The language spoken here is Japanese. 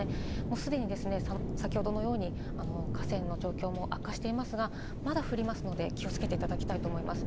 すでに先ほどのように河川の状況も悪化していますが、まだ降りますので、気をつけていただきたいと思います。